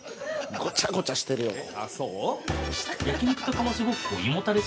ごちゃごちゃしてるよ、それ。